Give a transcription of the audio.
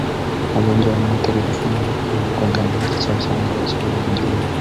Magonjwa yanayoathiri mfumo wa fahamu kwa ngamia ni kichaa cha mbwa na majimoyo